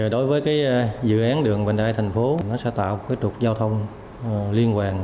đối với dự án đường vành đai thành phố nó sẽ tạo trục giao thông liên hoàn